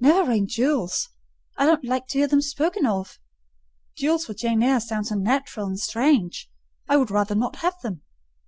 —never rain jewels! I don't like to hear them spoken of. Jewels for Jane Eyre sounds unnatural and strange: I would rather not have them."